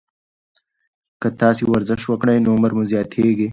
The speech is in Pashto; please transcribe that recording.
که تاسي ورزش وکړئ، نو عمر مو زیاتیږي.